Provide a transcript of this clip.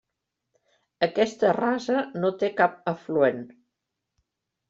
Aquesta rasa no té cap afluent.